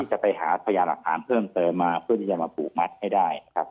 จะไปหาพยาหลักฐานเพิ่มเติมมาเพื่อที่จะมาผูกมัดให้ได้ครับ